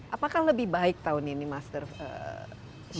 apakah lebih baik tahun ini master